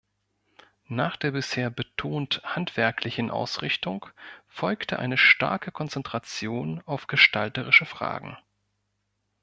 Nach der bisher betont handwerklichen Ausrichtung folgte eine starke Konzentration auf gestalterische Fragen.